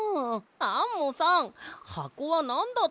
アンモさんはこはなんだったの？